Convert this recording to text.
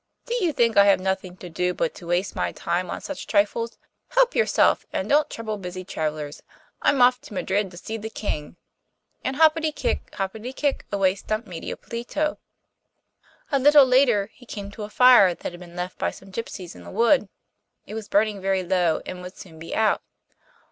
'Do you think I have nothing to do but to waste my time on such trifles? Help yourself, and don't trouble busy travellers. I am off to Madrid to see the King,' and hoppity kick, hoppity kick, away stumped Medio Pollito. A little later he came to a fire that had been left by some gipsies in a wood. It was burning very low, and would soon be out.